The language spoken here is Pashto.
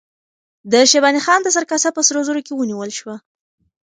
د شیباني خان د سر کاسه په سرو زرو کې ونیول شوه.